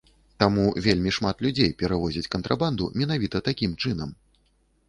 Таму вельмі шмат людзей перавозяць кантрабанду менавіта такім чынам.